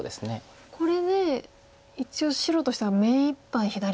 これで一応白としては目いっぱい左上囲えましたか。